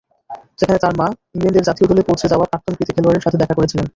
যেখানে তার মা, ইংল্যান্ডের জাতীয় দলে পৌঁছে যাওয়া প্রাক্তন কৃতি খেলোয়াড়ের সাথে দেখা করেছিলেন।